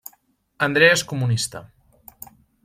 Andrea és comunista.